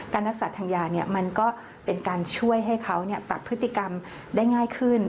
รักษาทางยามันก็เป็นการช่วยให้เขาปรับพฤติกรรมได้ง่ายขึ้น